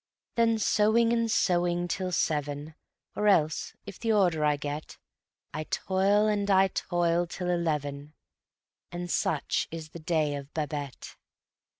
Then sewing and sewing till seven; Or else, if the order I get, I toil and I toil till eleven And such is the day of Babette.